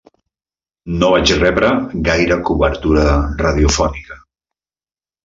No vaig rebre gaire cobertura radiofònica